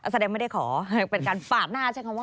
แสดงไม่ได้ขอเป็นการปากหน้าใช่ไหม